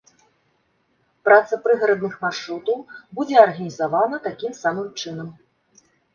Праца прыгарадных маршрутаў будзе арганізавана такім самым чынам.